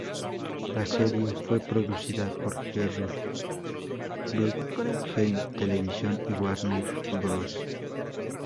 La serie fue producida por Jerry Bruckheimer Television y Warner Bros.